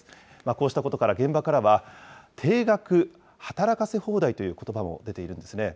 こうしたことから、現場からは、定額働かせ放題ということばも出ているんですね。